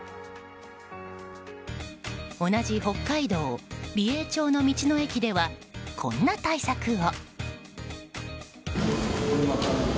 同じ北海道、美瑛町の道の駅ではこんな対策を。